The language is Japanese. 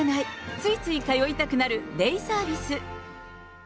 ついつい通いたくなるデイサービス！